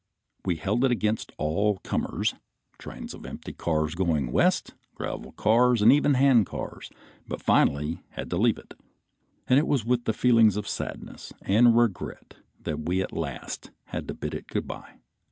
We held it against all comers, trains of empty cars going west, gravel cars and even handcars, but finally had to leave it, and it was with feelings of sadness and regret that we at last had to bid it good bye.